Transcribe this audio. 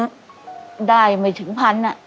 ได้ไม่ถึงพัน